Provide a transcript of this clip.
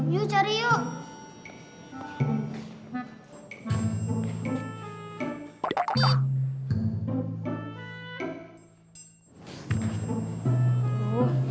yuk cari yuk